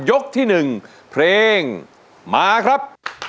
ที่๑เพลงมาครับ